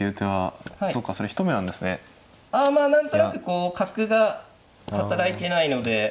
あまあ何となくこう角が働いてないので。